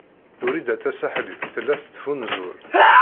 Wrida Tasaḥlit tella tettfunzur.